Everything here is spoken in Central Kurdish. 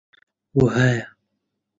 وەهایە: